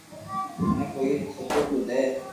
منو ڪوئي سبوت تو دي